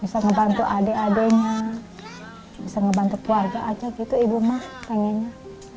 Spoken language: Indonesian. bisa membantu adik adiknya bisa membantu keluarga aja gitu ibu ma pengennya